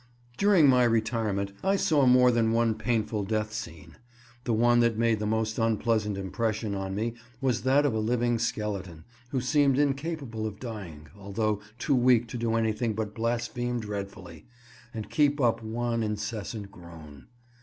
During my retirement I saw more than one painful death scene; the one that made the most unpleasant impression on me was that of a living skeleton, who seemed incapable of dying, although too weak to do anything but blaspheme dreadfully, and keep up one incessant groan.